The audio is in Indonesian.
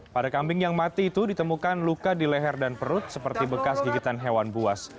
pada kambing yang mati itu ditemukan luka di leher dan perut seperti bekas gigitan hewan buas